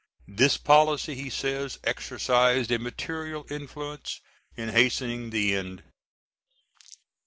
This policy, he says, exercised a material influence in hastening the end.